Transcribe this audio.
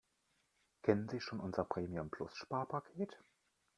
Kennen Sie schon unser Premium-Plus-Sparpaket?